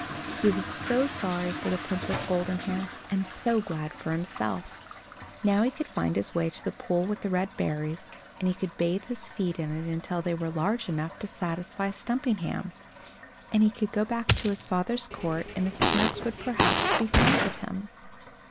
He was so sorry for the Princess Goldenhair, and so glad for himself. Now he could find his way to the pool with the red berries, and he could bathe his feet in it until they were large enough to satisfy Stumpinghame; and he could go back to his father's court, and his parents would perhaps; be fond of him.